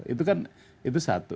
itu kan itu satu